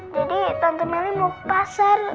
jadi tante melly mau ke pasar